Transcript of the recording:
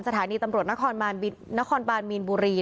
สถานีตำรวจนครบานมีนบุรี